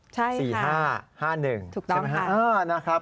ใช่ค่ะถูกต้องค่ะ๔๕๕๑ใช่ไหม